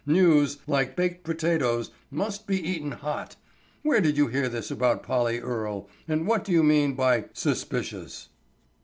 "News, like baked potatoes, must be eaten hot. Where did you hear this about Polly Earle, and what do you mean by suspicious?"